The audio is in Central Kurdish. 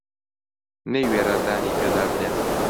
نەیوێرا دانی پێدا بنێت